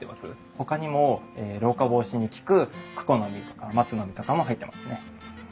ほかにも老化防止に効くクコの実とか松の実とかも入ってますね。